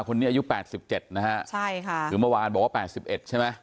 อายุ๘๗นะฮะใช่ค่ะคือเมื่อวานบอกว่า๘๑ใช่ไหม